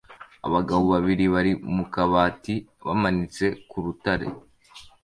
Abagabo babiri bari mu kabati bamanitse ku rutare